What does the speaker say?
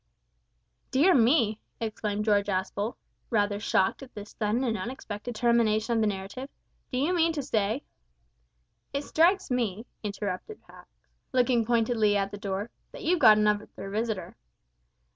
"Dear me!" exclaimed George Aspel, rather shocked at this sudden and unexpected termination of the narrative; "do you mean to say " "It strikes me," interrupted Pax, looking pointedly at the door, "that you've got another visitor."